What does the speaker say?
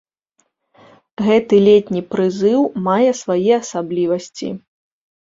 Гэты летні прызыў мае свае асаблівасці.